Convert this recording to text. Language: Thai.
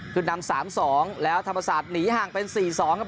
ขึ้นนำ๓๒แล้วธรรมศาสตร์หนีห่างเป็น๔๒ครับ